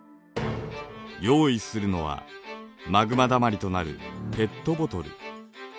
用意するのはマグマだまりとなるペットボトル。